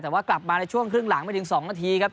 แต่ว่ากลับมาในช่วงครึ่งหลังไม่ถึง๒นาทีครับ